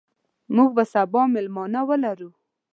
موږ به سبا میلمانه ولرو.